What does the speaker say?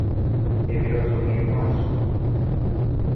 Ebirozo ge maaso.